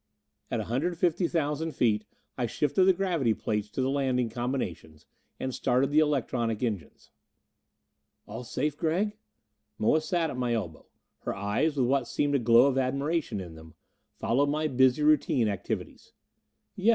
At a hundred and fifty thousand feet I shifted the gravity plates to the landing combinations, and started the electronic engines. "All safe, Gregg?" Moa sat at my elbow; her eyes, with what seemed a glow of admiration in them, followed my busy routine activities. "Yes.